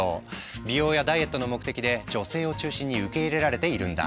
美容やダイエットの目的で女性を中心に受け入れられているんだ。